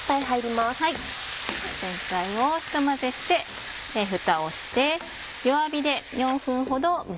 全体をひと混ぜしてフタをして。